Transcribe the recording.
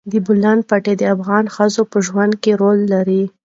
د بولان پټي د افغان ښځو په ژوند کې رول لري.